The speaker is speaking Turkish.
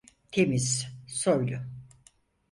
Temiz, soylu.